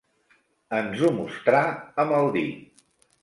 Ens ho mostrà amb el dit.